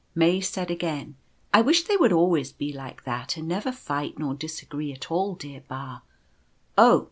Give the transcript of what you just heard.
May said again :" I wish they would always be like that, and never fight nor disagree at all, dear Ba. Oh